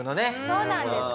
そうなんです。